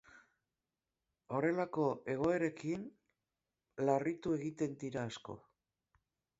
Horrelako egoerekin larritu egiten dira asko.